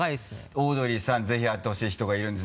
オードリーさん、ぜひ会ってほしい人がいるんです。